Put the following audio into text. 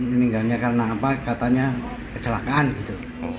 meninggalnya karena apa katanya kecelakaan gitu